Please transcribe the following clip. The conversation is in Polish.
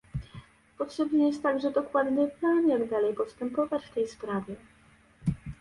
Potrzebny jest także dokładny plan, jak dalej postępować w tej sprawie